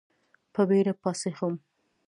په بېړه پاڅېږم .